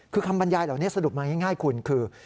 คือคำบรรยายเหล่านี้สรุปมาง่ายคุณคือ